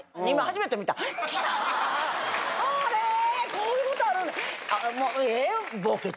こういうことあるんだ！